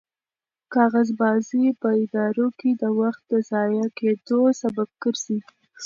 کاغذبازي په ادارو کې د وخت د ضایع کېدو سبب ګرځي.